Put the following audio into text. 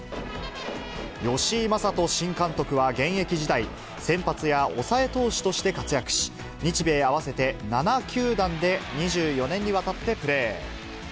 吉井理人新監督は現役時代、先発や抑え投手として活躍し、日米合わせて７球団で２４年にわたってプレー。